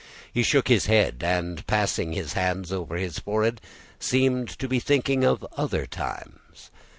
He shook his head, and, passing his hands over his forehead, seemed to be thinking of other times.